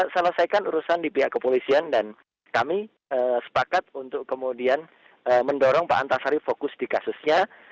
selesaikan urusan di pihak kepolisian dan kami sepakat untuk kemudian mendorong pak antasari fokus di kasusnya